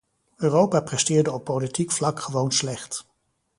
Europa presteerde op politiek vlak gewoon slecht.